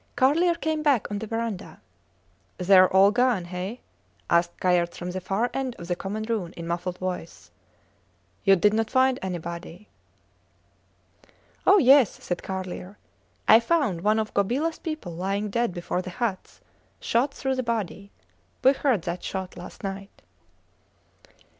Carlier came back on the verandah. Theyre all gone, hey? asked Kayerts from the far end of the common room in a muffled voice. You did not find anybody? Oh, yes, said Carlier, I found one of Gobilas people lying dead before the huts shot through the body. We heard that shot last night.